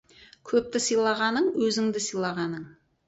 Көпті сыйлағаның — өзіңді сыйлағаның.